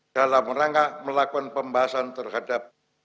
dalam rangka melakukan pembahasan terhadap